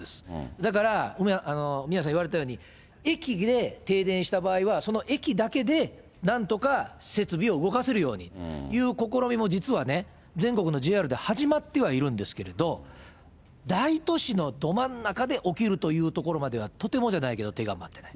だから、宮根さん言われたように、駅で停電した場合は、その駅だけでなんとか設備を動かせるようにという試みも、実はね、全国のＪＲで始まってはいるんですけれども、大都市のど真ん中で起きるというところまではとてもじゃないけれども手が回っていない。